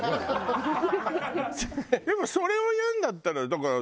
でもそれを言うんだったらだから。